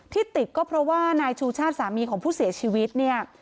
ที่ติดก็เพราะว่านายชูชาติสามีของผู้เสียชีวิตเนี่ย